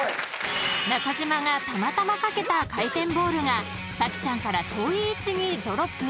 ［中島がたまたまかけた回転ボールが咲ちゃんから遠い位置にドロップ］